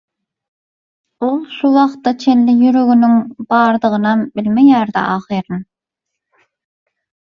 Ol şu wagta çenli ýüreginiň bardygynam bilmeýärdi ahyryn.